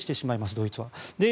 ドイツは。